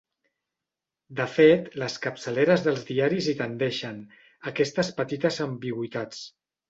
De fet, les capçaleres dels diaris hi tendeixen, a aquestes petites ambigüitats.